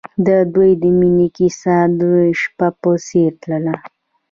د دوی د مینې کیسه د شپه په څېر تلله.